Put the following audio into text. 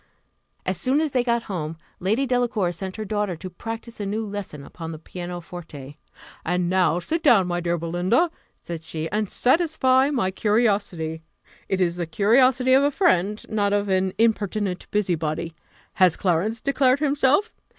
As soon as they got home, Lady Delacour sent her daughter to practise a new lesson upon the piano forte. "And now sit down, my dear Belinda," said she, "and satisfy my curiosity. It is the curiosity of a friend, not of an impertinent busybody. Has Clarence declared himself?